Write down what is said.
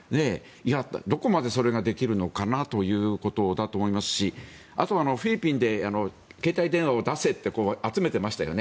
どこまでそれができるのかなということだと思いますしあとフィリピンで携帯電話を出せって集めてましたよね。